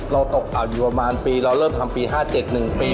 เราตกต่ำอยู่ประมาณปีเราเริ่มทำปี๕๗๑ปี